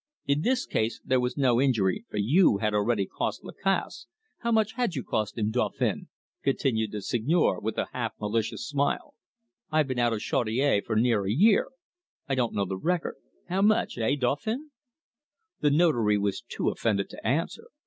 In this case there was no injury, for you had already cost Lacasse how much had you cost him, Dauphin?" continued the Seigneur, with a half malicious smile. "I've been out of Chaudiere for near a year; I don't know the record how much, eh, Dauphin?" The Notary was too offended to answer.